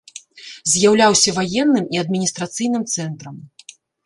З'яўляўся ваенным і адміністрацыйным цэнтрам.